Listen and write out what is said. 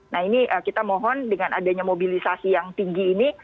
nah ini kita mohon dengan adanya mobilisasi yang tinggi ini